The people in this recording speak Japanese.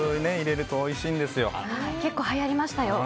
結構はやりましたよ。